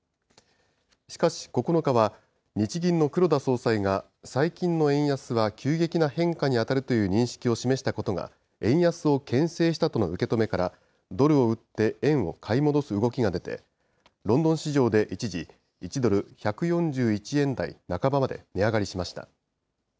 しかし、９日は日銀の黒田総裁が、最近の円安は急激な変化に当たるという認識を示したことが、円安をけん制したとの受け止めから、ドルを売って円を買い戻す動きが出て、ロンドン市場で一時、１ドル１４１円台半ばまで値上がりしました。